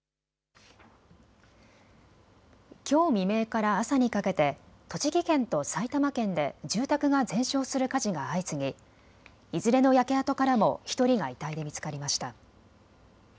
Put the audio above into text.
きょう未明から朝にかけて栃木県と埼玉県で住宅が全焼する火事が相次ぎいずれの焼け跡からも１人が遺体で見つかりました。